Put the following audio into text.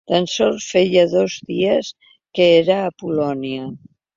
Tan sols feia dos dies que era a Polònia.